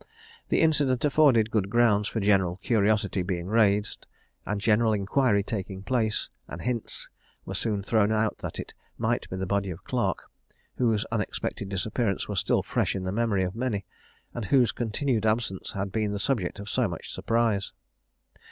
The incident afforded good grounds for general curiosity being raised, and general inquiry taking place; and hints were soon thrown out that it might be the body of Clarke, whose unexpected disappearance was still fresh in the memory of many, and whose continued absence had been the subject of so much surprise.